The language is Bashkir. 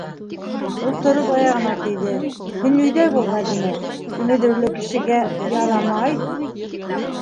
- Ул тороп аяғына кейҙе. - һин өйҙә бул, Мәҙинә, имеҙеүле кешегә... ярамай!